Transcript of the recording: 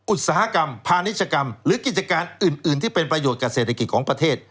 อุตสาหกรรมพาณิชกรรมหรือกิจการอื่นที่เป็นประโยชน์กับเศรษฐกิจของประเทศ